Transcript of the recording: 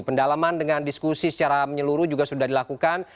pendalaman dengan diskusi secara menyeluruh juga sudah dilakukan